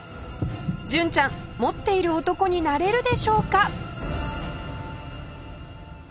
純ちゃん持っている男になれるでしょうか？